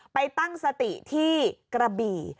ไปตั้งสติที่กระบี่